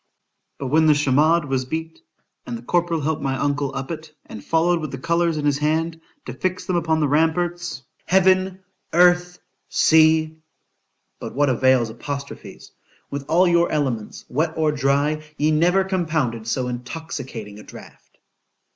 ——But when the chamade was beat, and the corporal helped my uncle up it, and followed with the colours in his hand, to fix them upon the ramparts—Heaven! Earth! Sea!——but what avails apostrophes?——with all your elements, wet or dry, ye never compounded so intoxicating a draught.